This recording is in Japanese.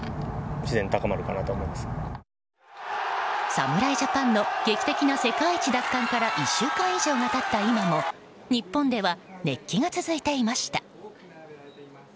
侍ジャパンの劇的な世界一奪還から１週間以上が経った今も日本では熱気が続いていました。